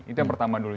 itu yang pertama dulu